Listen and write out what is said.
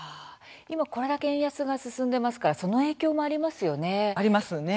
今これだけ円安が進んでますからその影響もありますね。